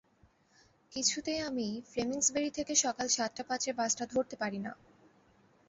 কিছুতেই আমি ফ্লেমিংসবেরি থেকে সকাল সাতটা পাঁচের বাসটা ধরতে পারি না।